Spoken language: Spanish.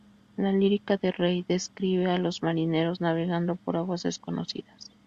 La lírica de Reid describe a los marineros navegando por aguas desconocidas.